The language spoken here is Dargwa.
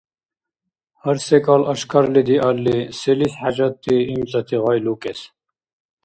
Гьар секӀал ашкарли диалли, селис хӀяжатти имцӀати гъай лукӀес?